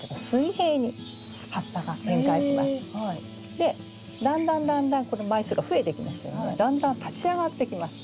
でだんだんだんだんこの枚数が増えてきますのでだんだん立ち上がってきます。